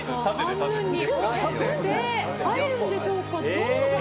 半分に折って入るんでしょうか。